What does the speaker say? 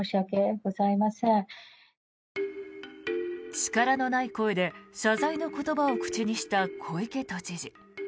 力のない声で謝罪の言葉を口にした小池知事。